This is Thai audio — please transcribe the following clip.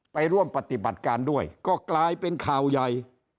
ไปร่วมปฏิบัติการด้วยก็กลายเป็นข่าวใหญ่